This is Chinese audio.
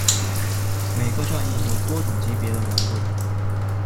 每个战役有多种级别的难度。